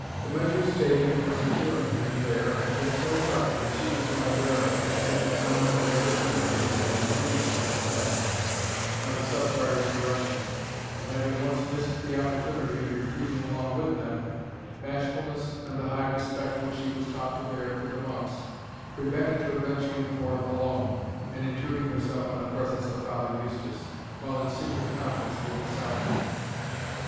The measures taken for securing him there had been so sudden, that she was not aware of it, until she found that the other females had been removed from the spence by the Sub Prior's direction, and having once missed the opportunity of retreating along with them, bashfulness, and the high respect which she was taught to bear to the monks, prevented her venturing forth alone, and intruding herself on the presence of Father Eustace, while in secret conference with the Southron.